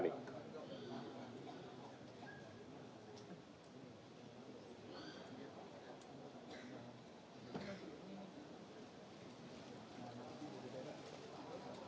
a satu ratus sebelas ditanda tangan